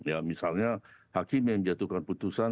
ya misalnya hakim yang menjatuhkan putusan